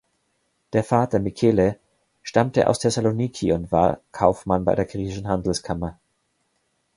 Der Vater Michele stammte aus Thessaloniki und war Kaufmann bei der griechischen Handelskammer.